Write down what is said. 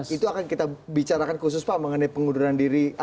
itu akan kita bicarakan khusus pak mengenai pengunduran diri